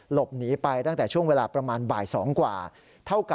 หลบหนีไปตั้งแต่ช่วงเวลาประมาณบ่าย๒กว่า